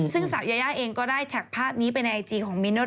ซึ่งสาวยายาเองก็ได้แท็กภาพนี้ไปในไอจีของมิ้นว่า